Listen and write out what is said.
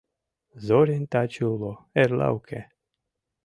Зорин таче уло, эрла уке.